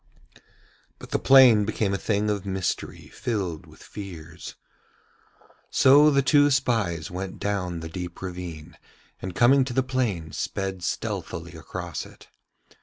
But the plain became a thing of mystery filled with fears. So the two spies went down the deep ravine, and coming to the plain sped stealthily across it.